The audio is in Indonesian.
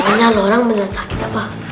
banyak lho orang beneran sakit apa